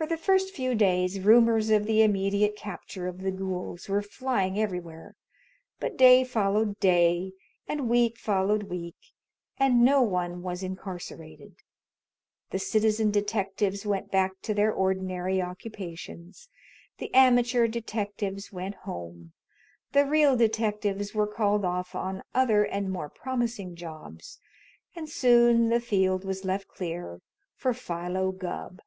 For the first few days rumors of the immediate capture of the "ghouls" were flying everywhere, but day followed day and week followed week, and no one was incarcerated. The citizen detectives went back to their ordinary occupations, the amateur detectives went home, the real detectives were called off on other and more promising jobs, and soon the field was left clear for Philo Gubb.